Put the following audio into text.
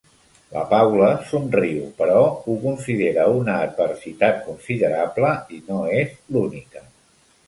La Paula somriu, però ho considera una adversitat considerable, i no és l'única.